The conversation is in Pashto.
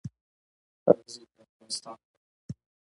او ضعیفه افغانستان غواړي